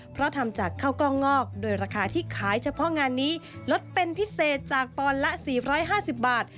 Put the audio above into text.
เพราะทำจากข้าวกล้องงอกโดยราคาที่ขายเฉพาะงานนี้ลดเป็นพิเศษจากปอนด์ละ๔๕๐บาท